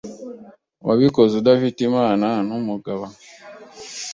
wabikoze udafite imana n’umugaba